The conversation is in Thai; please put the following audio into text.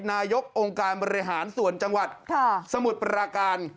นายกองค์การบริหารส่วนจังหวัดสมุทรปราการ